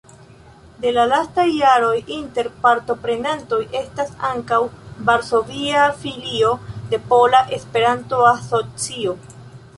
De la lastaj jaroj inter partoprenantoj estas ankaŭ varsovia filio de Pola Esperanto-Asocio.